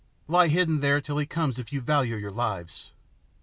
Lie hidden there till he comes if you value your lives."